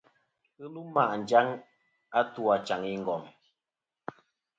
Ghɨ lum ma' njaŋ a tu achaŋ i ngom.